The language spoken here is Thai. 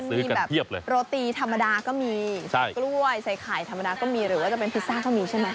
ซึ่งมีแบบโรตีธรรมดาก็มีกล้วยใส่ไข่ธรรมดาก็มีหรือว่าจะเป็นพิซซ่าก็มีใช่ไหม